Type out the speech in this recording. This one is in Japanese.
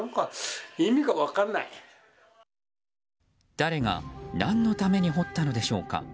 誰が何のために掘ったのでしょうか。